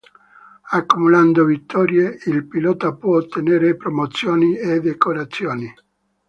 Accumulando vittorie il pilota può ottenere promozioni e decorazioni.